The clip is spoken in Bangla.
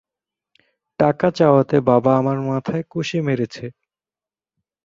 টাকা চাওয়াতে বাবা আমার মাথায় কষে মেরেছে।